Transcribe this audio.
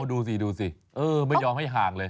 ดูสิดูสิไม่ยอมให้ห่างเลย